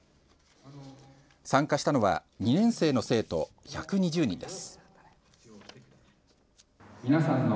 参加したのは２年生の生徒１２０人です。